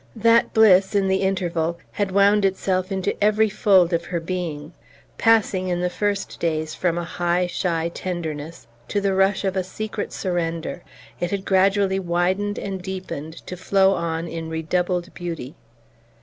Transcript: That bliss, in the interval, had wound itself into every fold of her being. Passing, in the first days, from a high shy tenderness to the rush of a secret surrender, it had gradually widened and deepened, to flow on in redoubled beauty.